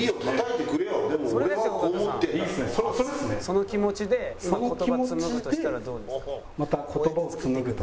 「その気持ちで今言葉紡ぐとしたらどうですか？」。